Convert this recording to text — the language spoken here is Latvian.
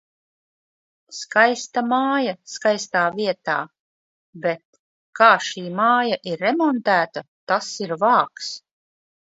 Skaista māja, skaistā vietā. Bet... Kā šī māja ir remontēta, tas ir vāks.